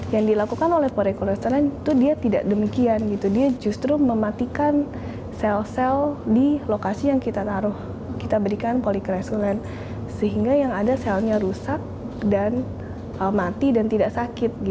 yang dilakukan oleh polik kolesteren itu dia tidak demikian dia justru mematikan sel sel di lokasi yang kita taruh kita berikan polikresulen sehingga yang ada selnya rusak dan mati dan tidak sakit